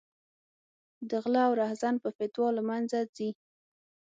د غله او رحزن په فتوا له منځه ځي.